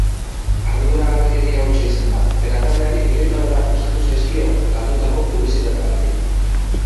Arduragabekeria hutsa izan da, eta taldeari milioika dolar kostatu zaizkio galdutako publizitateagatik.